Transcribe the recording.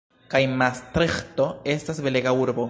Kaj Mastriĥto estas belega urbo.